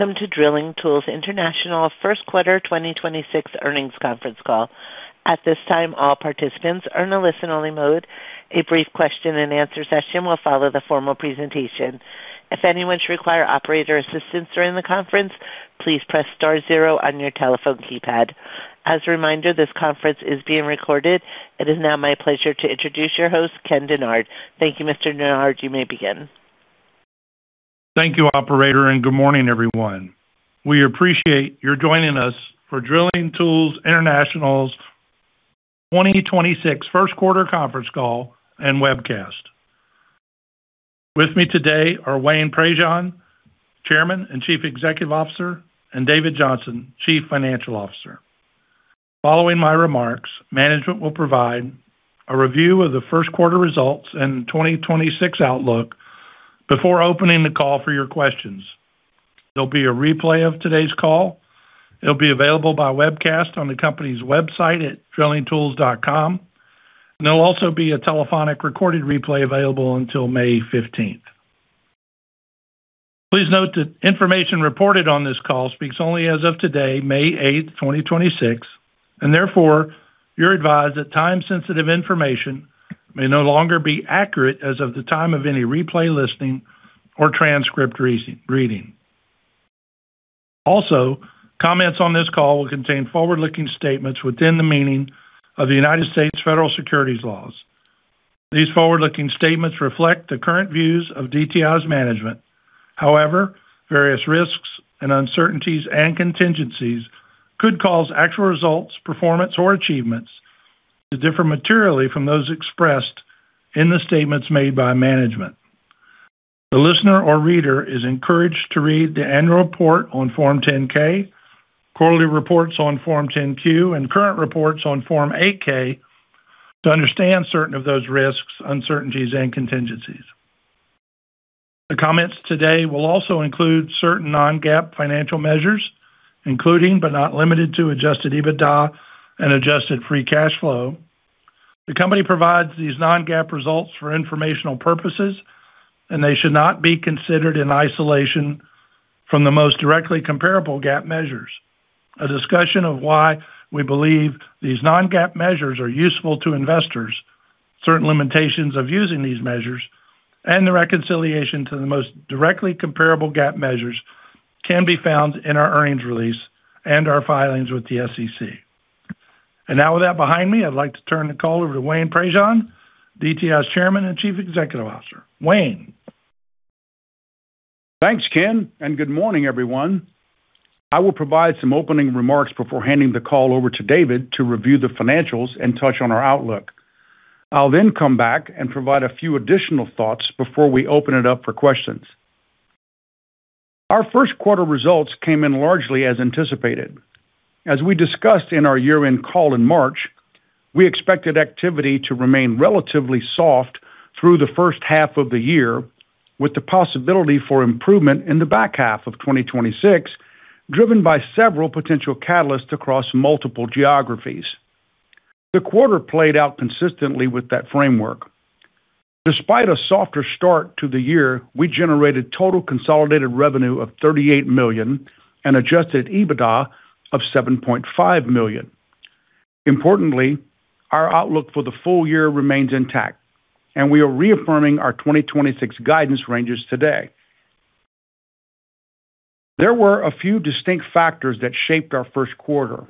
Welcome to Drilling Tools International First Quarter 2026 Earnings Conference Call. It is now my pleasure to introduce your host, Ken Dennard. Thank you, Mr. Dennard. You may begin. Thank you, operator, and good morning, everyone. We appreciate your joining us for Drilling Tools International's 2026 first quarter conference call and webcast. With me today are Wayne Prejean, Chairman and Chief Executive Officer, and David Johnson, Chief Financial Officer. Following my remarks, management will provide a review of the first quarter results and 2026 outlook before opening the call for your questions. There'll be a replay of today's call. It'll be available by webcast on the company's website at drillingtools.com. There'll also be a telephonic recorded replay available until May 15th. Please note that information reported on this call speaks only as of today, May 8th, 2026, and therefore, you're advised that time-sensitive information may no longer be accurate as of the time of any replay listing or transcript rereading. Comments on this call will contain forward-looking statements within the meaning of the United States Federal Securities laws. These forward-looking statements reflect the current views of DTI's management. However, various risks and uncertainties and contingencies could cause actual results, performance, or achievements to differ materially from those expressed in the statements made by management. The listener or reader is encouraged to read the annual report on Form 10-K, quarterly reports on Form 10-Q, and current reports on Form 8-K to understand certain of those risks, uncertainties, and contingencies. The comments today will also include certain non-GAAP financial measures, including, but not limited to Adjusted EBITDA and Adjusted Free Cash Flow. The company provides these non-GAAP results for informational purposes, and they should not be considered in isolation from the most directly comparable GAAP measures. A discussion of why we believe these non-GAAP measures are useful to investors, certain limitations of using these measures, and the reconciliation to the most directly comparable GAAP measures can be found in our earnings release and our filings with the SEC. Now, with that behind me, I'd like to turn the call over to Wayne Prejean, DTI's Chairman and Chief Executive Officer. Wayne. Thanks, Ken, and good morning, everyone. I will provide some opening remarks before handing the call over to David to review the financials and touch on our outlook. I'll then come back and provide a few additional thoughts before we open it up for questions. Our first quarter results came in largely as anticipated. As we discussed in our year-end call in March, we expected activity to remain relatively soft through the first half of the year, with the possibility for improvement in the back half of 2026, driven by several potential catalysts across multiple geographies. The quarter played out consistently with that framework. Despite a softer start to the year, we generated total consolidated revenue of $38 million and Adjusted EBITDA of $7.5 million. Importantly, our outlook for the full year remains intact, and we are reaffirming our 2026 guidance ranges today. There were a few distinct factors that shaped our first quarter.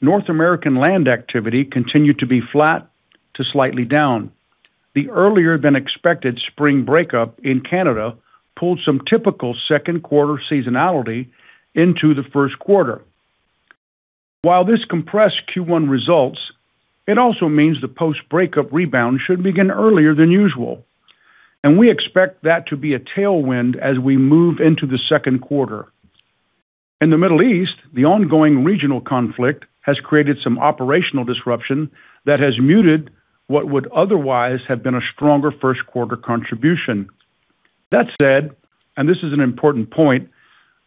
North American land activity continued to be flat to slightly down. The earlier than expected spring breakup in Canada pulled some typical second quarter seasonality into the first quarter. While this compressed Q1 results, it also means the post-breakup rebound should begin earlier than usual, and we expect that to be a tailwind as we move into the second quarter. In the Middle East, the ongoing regional conflict has created some operational disruption that has muted what would otherwise have been a stronger first quarter contribution. That said, and this is an important point,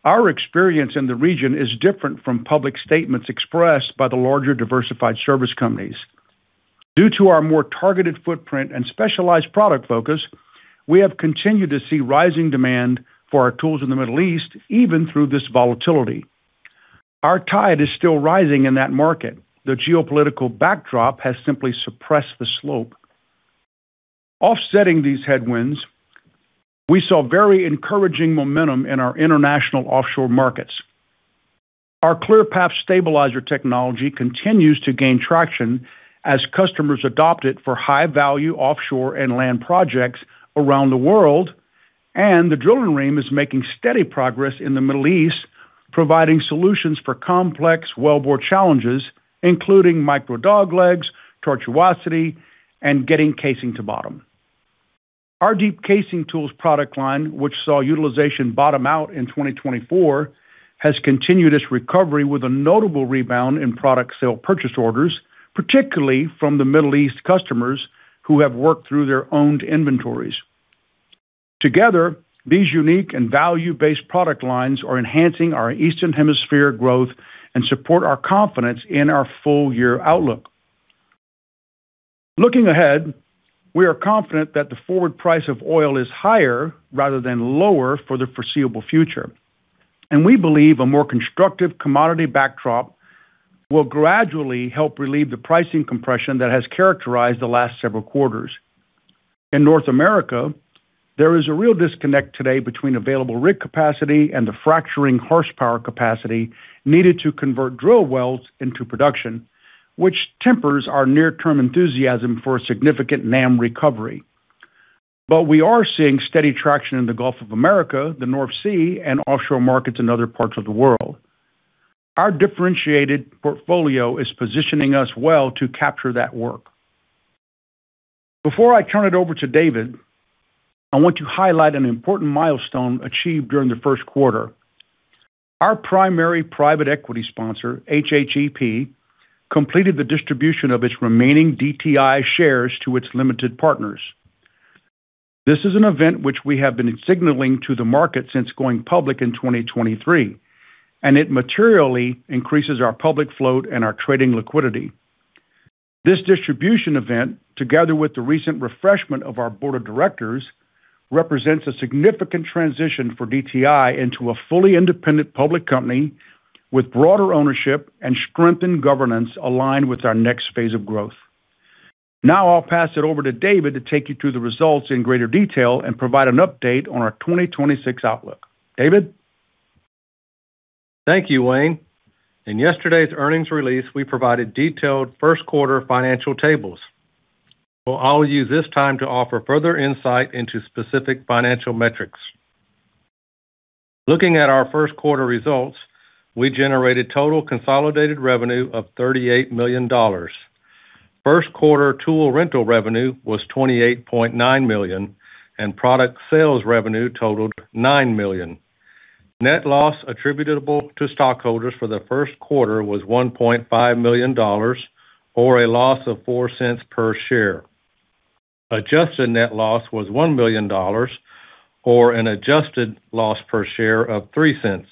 our experience in the region is different from public statements expressed by the larger diversified service companies. Due to our more targeted footprint and specialized product focus, we have continued to see rising demand for our tools in the Middle East, even through this volatility. Our tide is still rising in that market. The geopolitical backdrop has simply suppressed the slope. Offsetting these headwinds, we saw very encouraging momentum in our international offshore markets. Our ClearPath stabilizer technology continues to gain traction as customers adopt it for high-value offshore and land projects around the world, and the Drill-N-Ream is making steady progress in the Middle East, providing solutions for complex wellbore challenges, including micro doglegs, tortuosity, and getting casing to bottom. Our Deep Casing Tools product line, which saw utilization bottom out in 2024, has continued its recovery with a notable rebound in product sale purchase orders, particularly from the Middle East customers who have worked through their owned inventories. Together, these unique and value-based product lines are enhancing our Eastern Hemisphere growth and support our confidence in our full-year outlook. Looking ahead, we are confident that the forward price of oil is higher rather than lower for the foreseeable future. We believe a more constructive commodity backdrop will gradually help relieve the pricing compression that has characterized the last several quarters. In North America, there is a real disconnect today between available rig capacity and the fracturing horsepower capacity needed to convert drill wells into production, which tempers our near-term enthusiasm for a significant NAM recovery. We are seeing steady traction in the Gulf of America, the North Sea, and offshore markets in other parts of the world. Our differentiated portfolio is positioning us well to capture that work. Before I turn it over to David, I want to highlight an important milestone achieved during the first quarter. Our primary private equity sponsor, HHEP, completed the distribution of its remaining DTI shares to its limited partners. This is an event which we have been signaling to the market since going public in 2023, and it materially increases our public float and our trading liquidity. This distribution event, together with the recent refreshment of our board of directors, represents a significant transition for DTI into a fully independent public company with broader ownership and strengthened governance aligned with our next phase of growth. Now I'll pass it over to David to take you through the results in greater detail and provide an update on our 2026 outlook. David? Thank you, Wayne. In yesterday's earnings release, we provided detailed first quarter financial tables. Well, I'll use this time to offer further insight into specific financial metrics. Looking at our first quarter results, we generated total consolidated revenue of $38 million. First quarter tool rental revenue was $28.9 million, and product sales revenue totaled $9 million. Net loss attributable to stockholders for the first quarter was $1.5 million, or a loss of $0.04 per share. Adjusted net loss was $1 million, or an adjusted loss per share of $0.03.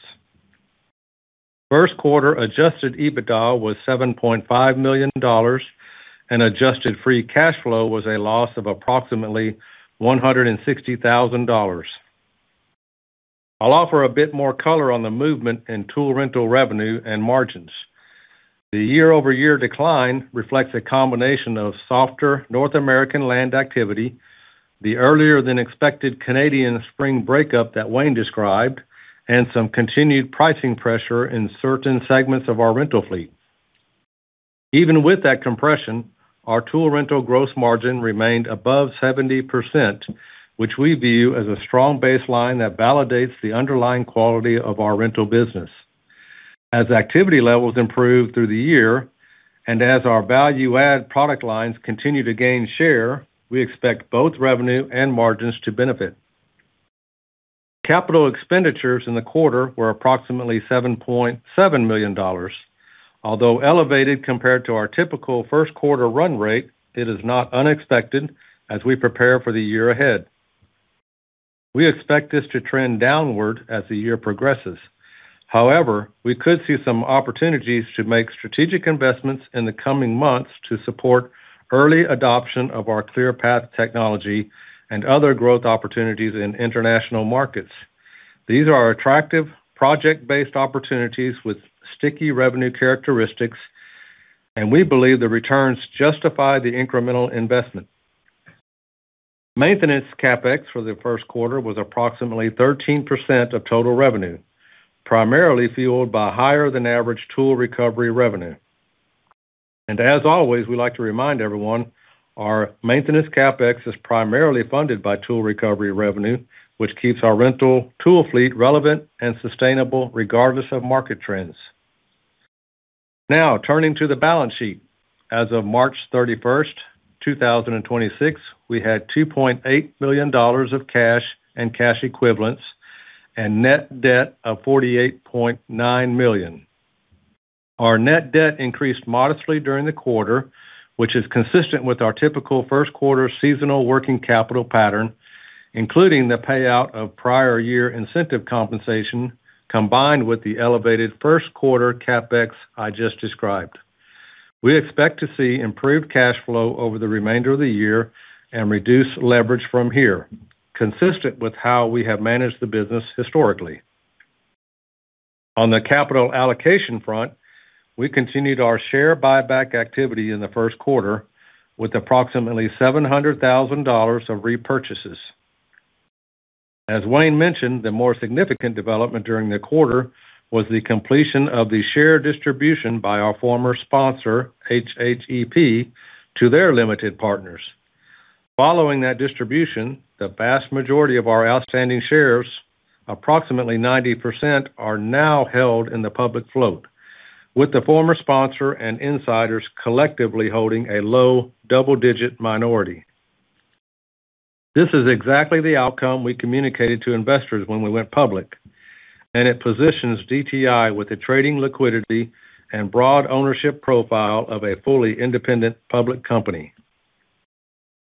First quarter Adjusted EBITDA was $7.5 million, and Adjusted Free Cash Flow was a loss of approximately $160,000. I'll offer a bit more color on the movement in tool rental revenue and margins. The year-over-year decline reflects a combination of softer North American land activity, the earlier-than-expected Canadian spring breakup that Wayne described, and some continued pricing pressure in certain segments of our rental fleet. Even with that compression, our tool rental gross margin remained above 70%, which we view as a strong baseline that validates the underlying quality of our rental business. As activity levels improve through the year, and as our value-add product lines continue to gain share, we expect both revenue and margins to benefit. Capital expenditures in the quarter were approximately $7.7 million. Although elevated compared to our typical first quarter run rate, it is not unexpected as we prepare for the year ahead. We expect this to trend downward as the year progresses. However, we could see some opportunities to make strategic investments in the coming months to support early adoption of our ClearPath technology and other growth opportunities in international markets. These are attractive project-based opportunities with sticky revenue characteristics, and we believe the returns justify the incremental investment. Maintenance CapEx for the 1st quarter was approximately 13% of total revenue, primarily fueled by higher-than-average tool recovery revenue. As always, we like to remind everyone our Maintenance CapEx is primarily funded by tool recovery revenue, which keeps our rental tool fleet relevant and sustainable regardless of market trends. Now, turning to the balance sheet. As of March 31, 2026, we had $2.8 million of cash and cash equivalents and net debt of $48.9 million. Our net debt increased modestly during the quarter, which is consistent with our typical first quarter seasonal working capital pattern, including the payout of prior year incentive compensation combined with the elevated first quarter CapEx I just described. We expect to see improved cash flow over the remainder of the year and reduce leverage from here, consistent with how we have managed the business historically. On the capital allocation front, we continued our share buyback activity in the first quarter with approximately $700,000 of repurchases. As Wayne mentioned, the more significant development during the quarter was the completion of the share distribution by our former sponsor, HHEP, to their limited partners. Following that distribution, the vast majority of our outstanding shares, approximately 90%, are now held in the public float, with the former sponsor and insiders collectively holding a low double-digit minority. This is exactly the outcome we communicated to investors when we went public, and it positions DTI with the trading liquidity and broad ownership profile of a fully independent public company.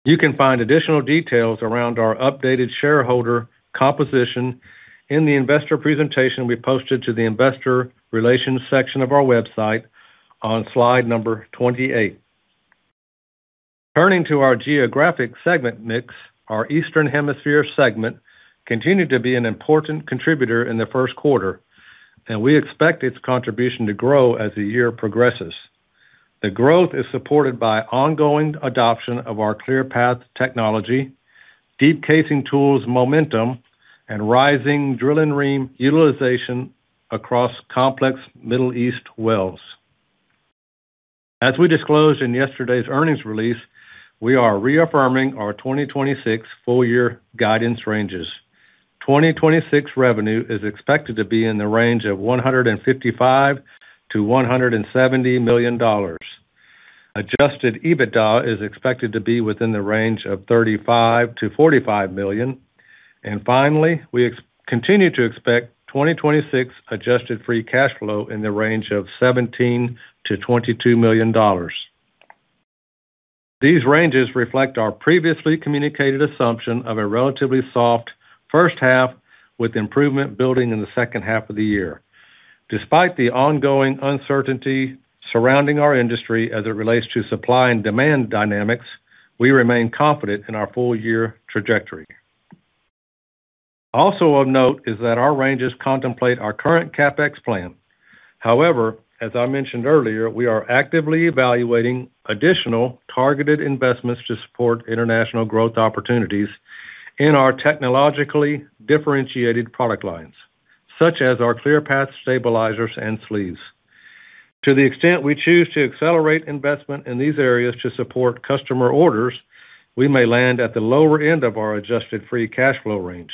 You can find additional details around our updated shareholder composition in the investor presentation we posted to the investor relations section of our website on slide number 28. Turning to our geographic segment mix, our Eastern Hemisphere segment continued to be an important contributor in the first quarter, and we expect its contribution to grow as the year progresses. The growth is supported by ongoing adoption of our ClearPath technology, Deep Casing Tools momentum, and rising Drill-N-Ream utilization across complex Middle East wells. As we disclosed in yesterday's earnings release, we are reaffirming our 2026 full year guidance ranges. 2026 revenue is expected to be in the range of $155 million-$170 million. Adjusted EBITDA is expected to be within the range of $35 million-$45 million. Finally, we continue to expect 2026 Adjusted Free Cash Flow in the range of $17 million-$22 million. These ranges reflect our previously communicated assumption of a relatively soft first half with improvement building in the second half of the year. Despite the ongoing uncertainty surrounding our industry as it relates to supply and demand dynamics, we remain confident in our full year trajectory. Also of note is that our ranges contemplate our current CapEx plan. However, as I mentioned earlier, we are actively evaluating additional targeted investments to support international growth opportunities in our technologically differentiated product lines, such as our ClearPath stabilizers and sleeves. To the extent we choose to accelerate investment in these areas to support customer orders, we may land at the lower end of our Adjusted Free Cash Flow range.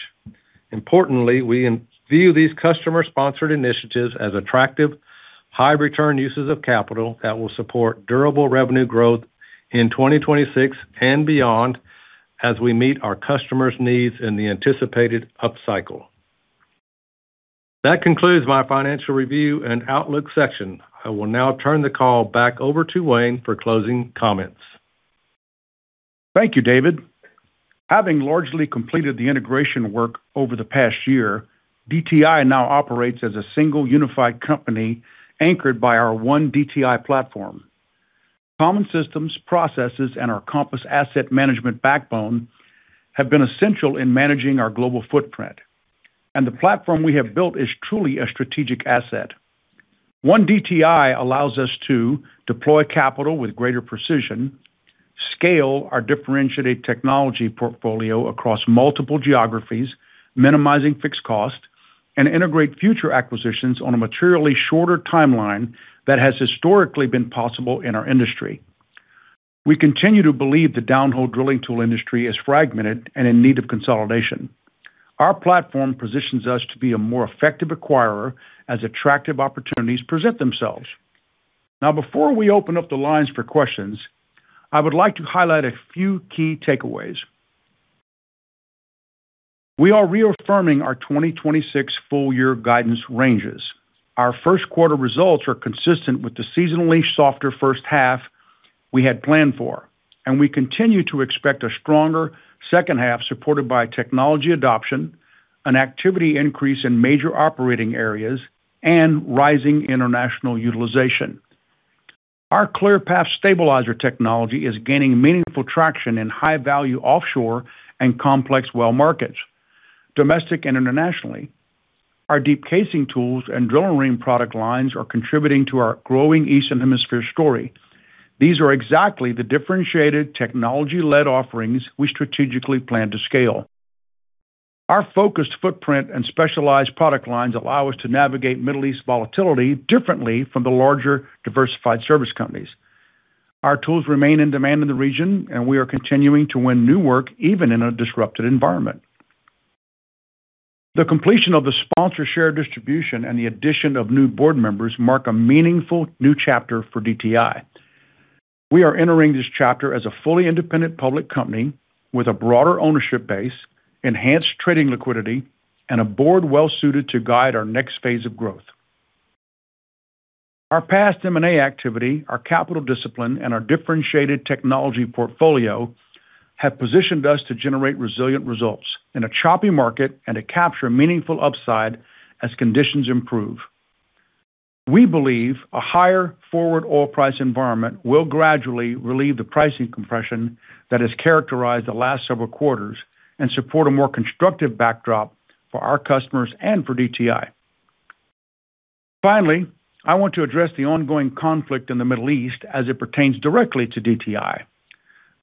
Importantly, we view these customer-sponsored initiatives as attractive, high return uses of capital that will support durable revenue growth in 2026 and beyond as we meet our customers' needs in the anticipated upcycle. That concludes my financial review and outlook section. I will now turn the call back over to Wayne for closing comments. Thank you, David. Having largely completed the integration work over the past year, DTI now operates as a single unified company anchored by our one DTI platform. Common systems, processes, and our Compass asset management backbone have been essential in managing our global footprint, and the platform we have built is truly a strategic asset. One DTI allows us to deploy capital with greater precision, scale our differentiated technology portfolio across multiple geographies, minimizing fixed cost, and integrate future acquisitions on a materially shorter timeline that has historically been possible in our industry. We continue to believe the downhole drilling tool industry is fragmented and in need of consolidation. Our platform positions us to be a more effective acquirer as attractive opportunities present themselves. Now, before we open up the lines for questions, I would like to highlight a few key takeaways. We are reaffirming our 2026 full year guidance ranges. Our first quarter results are consistent with the seasonally softer first half we had planned for, and we continue to expect a stronger second half supported by technology adoption, an activity increase in major operating areas, and rising international utilization. Our ClearPath stabilizer technology is gaining meaningful traction in high-value offshore and complex well markets, domestic and internationally. Our Deep Casing Tools and Drill-N-Ream product lines are contributing to our growing Eastern Hemisphere story. These are exactly the differentiated technology-led offerings we strategically plan to scale. Our focused footprint and specialized product lines allow us to navigate Middle East volatility differently from the larger diversified service companies. Our tools remain in demand in the region, and we are continuing to win new work even in a disrupted environment. The completion of the sponsor share distribution and the addition of new board members mark a meaningful new chapter for DTI. We are entering this chapter as a fully independent public company with a broader ownership base, enhanced trading liquidity, and a board well-suited to guide our next phase of growth. Our past M&A activity, our capital discipline, and our differentiated technology portfolio have positioned us to generate resilient results in a choppy market and to capture meaningful upside as conditions improve. We believe a higher forward oil price environment will gradually relieve the pricing compression that has characterized the last several quarters and support a more constructive backdrop for our customers and for DTI. Finally, I want to address the ongoing conflict in the Middle East as it pertains directly to DTI.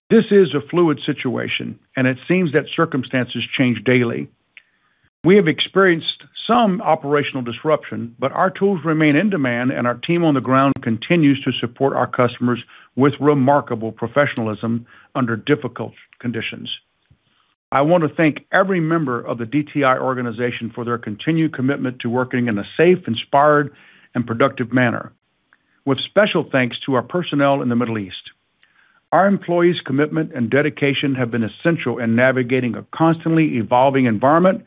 This is a fluid situation, and it seems that circumstances change daily. We have experienced some operational disruption, but our tools remain in demand, and our team on the ground continues to support our customers with remarkable professionalism under difficult conditions. I want to thank every member of the DTI organization for their continued commitment to working in a safe, inspired, and productive manner, with special thanks to our personnel in the Middle East. Our employees' commitment and dedication have been essential in navigating a constantly evolving environment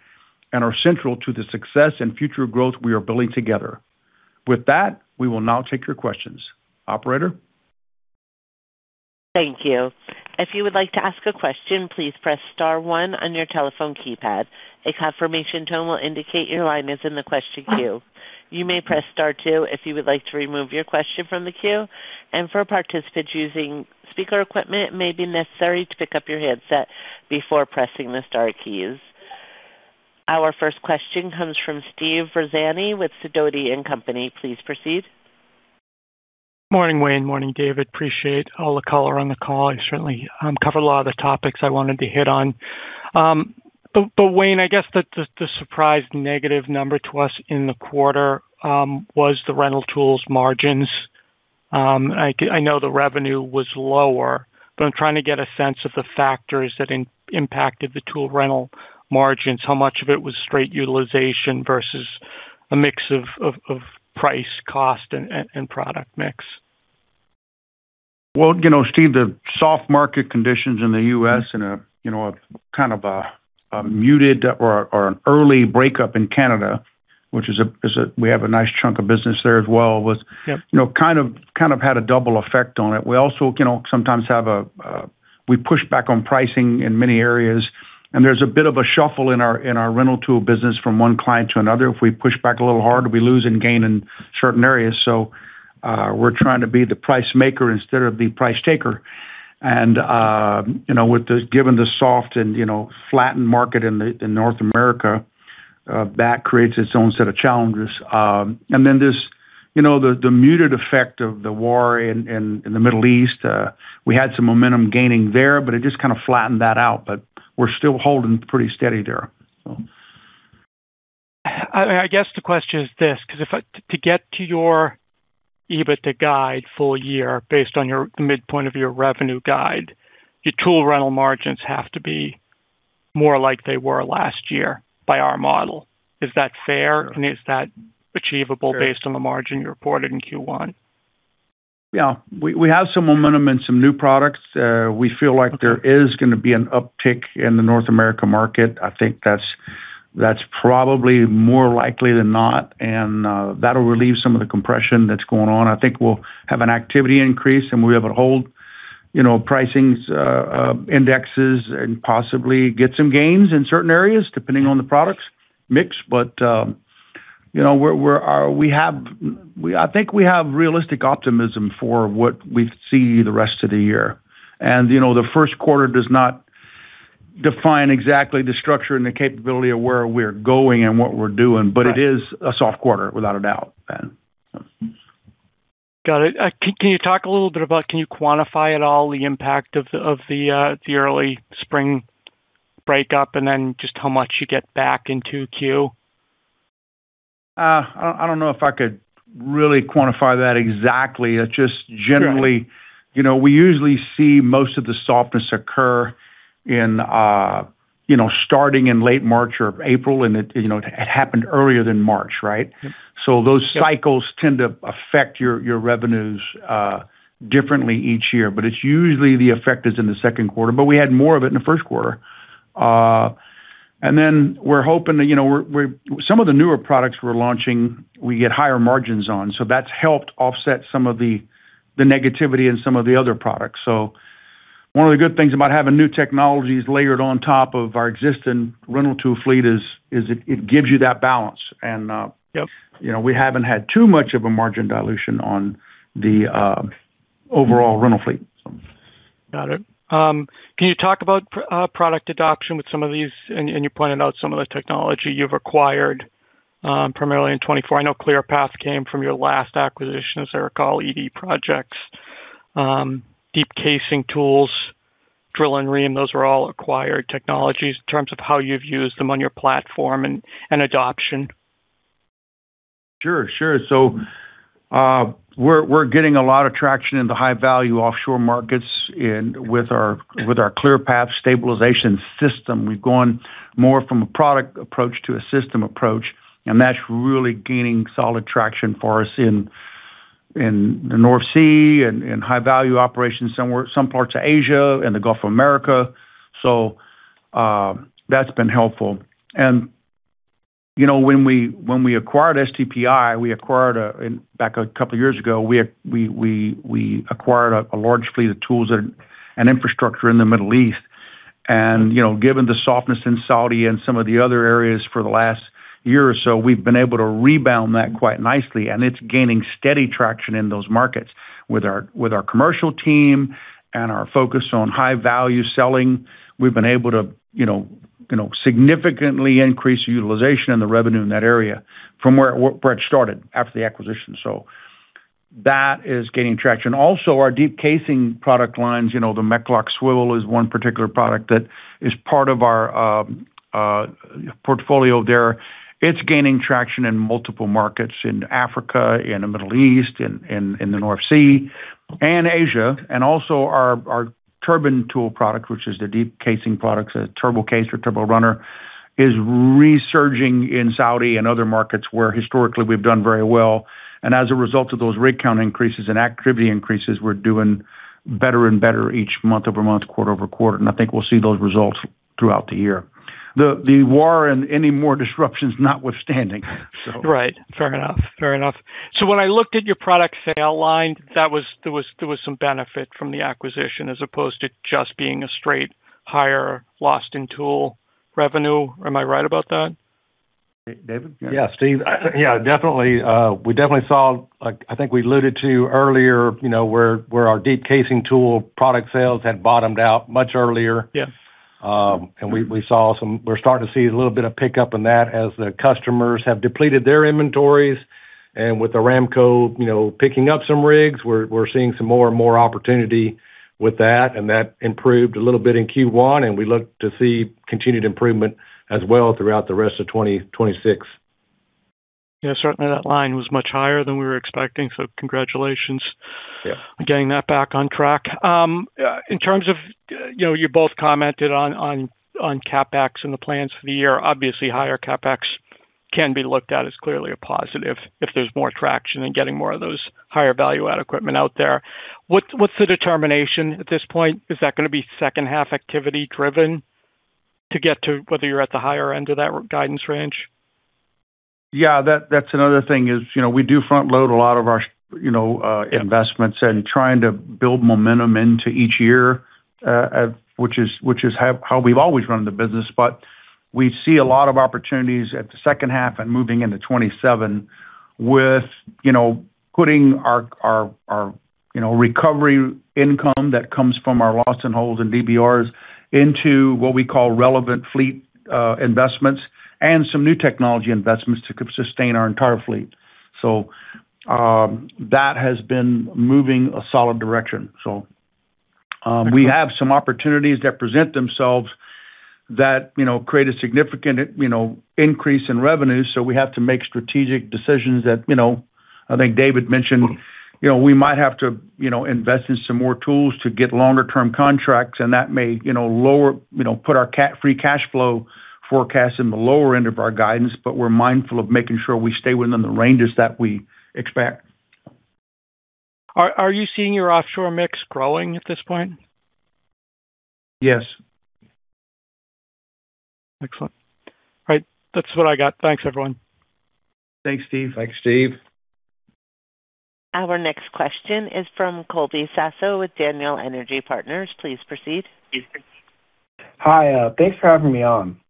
and are central to the success and future growth we are building together. With that, we will now take your questions. Operator? Thank you. If you would like to ask a question, please press star one on your telephone keypad. A confirmation tone will indicate your line is in the question queue. You may press star two if you would like to remove your question from the queue, and for participants using speaker equipment, it may be necessary to pick up your headset before pressing the star keys. Our first question comes from Steve Ferazani with Sidoti & Company. Please proceed. Morning, Wayne. Morning, David. Appreciate all the color on the call. You certainly covered a lot of the topics I wanted to hit on. Wayne, I guess the surprise negative number to us in the quarter was the rental tools margins. I know the revenue was lower, but I'm trying to get a sense of the factors that impacted the tool rental margins. How much of it was straight utilization versus a mix of price, cost, and product mix? Well, you know, Steve, the soft market conditions in the U.S. in a, you know, a kind of a muted or an early breakup in Canada. We have a nice chunk of business there as well. Yep You know, kind of had a double effect on it. We also, you know, sometimes have a We push back on pricing in many areas, and there's a bit of a shuffle in our rental tool business from one client to another. If we push back a little harder, we lose than gain in certain areas. We're trying to be the price maker instead of the price taker. You know, given the soft and, you know, flattened market in North America, that creates its own set of challenges. This, you know, the muted effect of the war in the Middle East, we had some momentum gaining there, but it just kind of flattened that out. We're still holding pretty steady there. I guess the question is this, 'cause if I get to your EBITDA guide full year based on the midpoint of your revenue guide, your tool rental margins have to be more like they were last year by our model. Is that fair? Sure. Is that achievable? Sure based on the margin you reported in Q1? Yeah. We have some momentum and some new products. Okay There is gonna be an uptick in the North America market. I think that's probably more likely than not. That'll relieve some of the compression that's going on. I think we'll have an activity increase, and we'll be able to hold, you know, pricings indexes and possibly get some gains in certain areas depending on the products mix. You know, I think we have realistic optimism for what we see the rest of the year. You know, the first quarter does not define exactly the structure and the capability of where we're going and what we're doing. Right It is a soft quarter without a doubt. Got it. Can you quantify at all the impact of the early spring breakup, and then just how much you get back in 2Q? I don't know if I could really quantify that exactly. Sure You know, we usually see most of the softness occur in, you know, starting in late March or April, and it, you know, it happened earlier than March, right? Yep. Those cycles tend to affect your revenues differently each year, but it's usually the effect is in the second quarter, but we had more of it in the first quarter. We're hoping that, you know, some of the newer products we're launching, we get higher margins on, so that's helped offset some of the negativity in some of the other products. One of the good things about having new technologies layered on top of our existing rental tool fleet is it gives you that balance. Yep you know, we haven't had too much of a margin dilution on the overall rental fleet. Got it. Can you talk about product adoption with some of these? You pointed out some of the technology you've acquired primarily in 2024. I know ClearPath came from your last acquisition, as I recall, ED Projects. Deep Casing Tools, Drill-N-Ream, those were all acquired technologies. In terms of how you've used them on your platform and adoption. Sure, sure. We're getting a lot of traction in the high-value offshore markets with our ClearPath stabilization system. We've gone more from a product approach to a system approach, and that's really gaining solid traction for us in the North Sea and in high-value operations some parts of Asia and the Gulf of America. That's been helpful. You know, when we acquired Superior Drilling Products, we acquired a back a couple of years ago, we acquired a large fleet of tools and infrastructure in the Middle East. You know, given the softness in Saudi and some of the other areas for the last year or so, we've been able to rebound that quite nicely, and it's gaining steady traction in those markets. With our commercial team and our focus on high-value selling, we've been able to, you know, significantly increase the utilization and the revenue in that area from where it started after the acquisition. That is gaining traction. Also, our Deep Casing Tools product lines, you know, the MechLOK Swivel is one particular product that is part of our portfolio there. It's gaining traction in multiple markets, in Africa, in the Middle East, in the North Sea and Asia. Also our turbine tool product, which is the Deep Casing Tools products, TurboCaser or TurboRunner, is resurging in Saudi and other markets where historically we've done very well. As a result of those rig count increases and activity increases, we're doing better and better each month-over-month, quarter-over-quarter, and I think we'll see those results throughout the year. The war and any more disruptions notwithstanding. Right. Fair enough. Fair enough. When I looked at your product sale line, there was some benefit from the acquisition as opposed to just being a straight higher loss-in-hole revenue. Am I right about that? David? Yeah, Steve, yeah, definitely, we definitely saw, like, I think we alluded to earlier, you know, where our Deep Casing Tools product sales had bottomed out much earlier. Yeah. We're starting to see a little bit of pickup in that as the customers have depleted their inventories. With Aramco, you know, picking up some rigs, we're seeing some more and more opportunity with that, and that improved a little bit in Q1, and we look to see continued improvement as well throughout the rest of 2026. Yeah, certainly that line was much higher than we were expecting, so congratulations. Yeah. -on getting that back on track. In terms of, you know, you both commented on CapEx and the plans for the year. Obviously, higher CapEx can be looked at as clearly a positive if there's more traction in getting more of those higher value-add equipment out there. What's the determination at this point? Is that gonna be second half activity driven to get to whether you're at the higher end of that guidance range? Yeah, that's another thing is, you know, we do front load a lot of our, you know, investments and trying to build momentum into each year, which is how we've always run the business. We see a lot of opportunities at the second half and moving into 2027 with, you know, putting our, you know, recovery income that comes from our loss-in-hole and DBR into what we call relevant fleet investments and some new technology investments to sustain our entire fleet. That has been moving a solid direction. We have some opportunities that present themselves that, you know, create a significant, you know, increase in revenue. We have to make strategic decisions that, you know, I think David mentioned, you know, we might have to, you know, invest in some more tools to get longer term contracts, and that may, you know, lower, put our free cash flow forecast in the lower end of our guidance, but we're mindful of making sure we stay within the ranges that we expect. Are you seeing your offshore mix growing at this point? Yes. Excellent. All right. That's what I got. Thanks, everyone. Thanks, Steve. Thanks, Steve. Our next question is from Colby Sasso with Daniel Energy Partners. Please proceed. Please proceed. Hi. Thanks for having me on.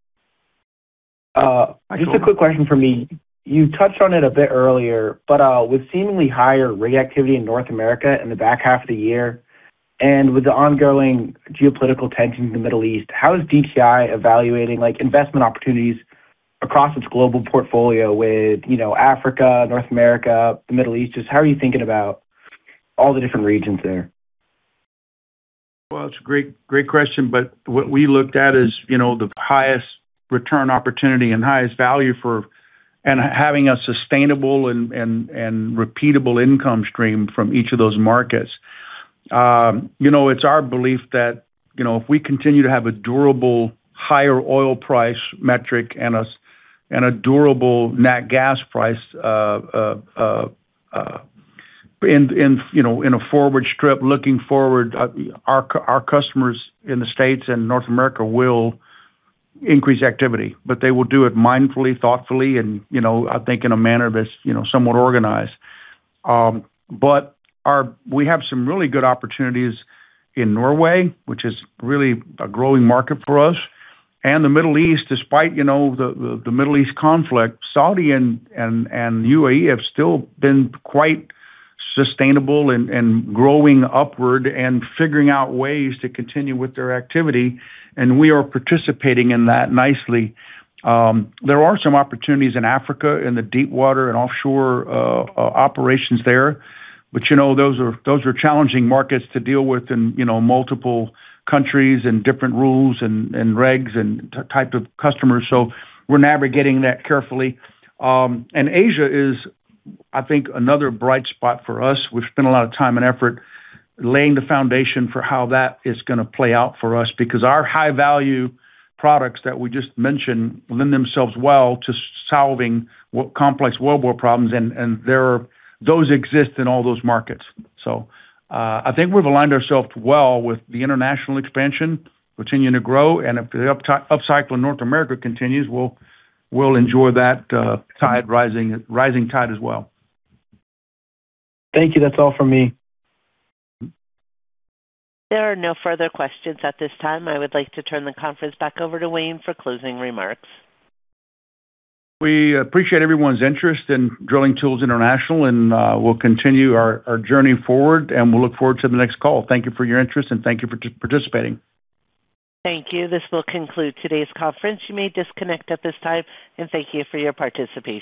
My pleasure. Just a quick question for me. You touched on it a bit earlier, with seemingly higher rig activity in North America in the back half of the year and with the ongoing geopolitical tension in the Middle East, how is DTI evaluating, like, investment opportunities across its global portfolio with, you know, Africa, North America, the Middle East? Just how are you thinking about all the different regions there? It's a great question, but what we looked at is, you know, the highest return opportunity and highest value for and having a sustainable and repeatable income stream from each of those markets. You know, it's our belief that, you know, if we continue to have a durable higher oil price metric and a durable nat gas price in, you know, in a forward strip looking forward, our customers in the States and North America will increase activity, but they will do it mindfully, thoughtfully, and, you know, I think in a manner that's, you know, somewhat organized. We have some really good opportunities in Norway, which is really a growing market for us, and the Middle East. Despite, you know, the, the Middle East conflict, Saudi and, and UAE have still been quite sustainable and growing upward and figuring out ways to continue with their activity, and we are participating in that nicely. There are some opportunities in Africa in the deep water and offshore operations there, but, you know, those are challenging markets to deal with in, you know, multiple countries and different rules and regs and type of customers. We're navigating that carefully. And Asia is, I think, another bright spot for us. We've spent a lot of time and effort laying the foundation for how that is gonna play out for us because our high value products that we just mentioned lend themselves well to solving complex wellbore problems, and those exist in all those markets. I think we've aligned ourselves well with the international expansion continuing to grow, and if the upcycle in North America continues, we'll enjoy that rising tide as well. Thank you. That's all for me. There are no further questions at this time. I would like to turn the conference back over to Wayne for closing remarks. We appreciate everyone's interest in Drilling Tools International, and we'll continue our journey forward, and we'll look forward to the next call. Thank you for your interest, and thank you for participating. Thank you. This will conclude today's conference. You may disconnect at this time, and thank you for your participation.